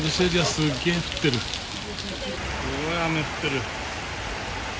すごい雨降ってる。